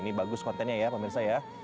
ini bagus kontennya ya pemirsa ya